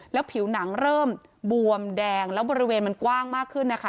แล้วผิวหนังเริ่มบวมแดงแล้วบริเวณมันกว้างมากขึ้นนะคะ